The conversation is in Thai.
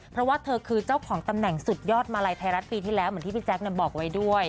เพราะว่าเธอคือเจ้าของตำแหน่งสุดยอดมาลัยไทยรัฐปีที่แล้วเหมือนที่พี่แจ๊คบอกไว้ด้วย